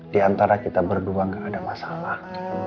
di antara kita berdua gak ada masalah